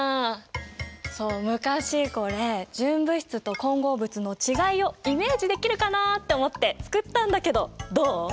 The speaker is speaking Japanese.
そう昔これ純物質と混合物の違いをイメージできるかなと思って作ったんだけどどう？